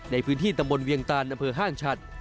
ในพื้นที่ตำบลเวียงตานอำเภอห้างฉัด